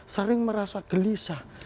sering merasa gelisah